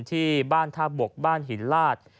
ที่บ้านท่าบกหินลาด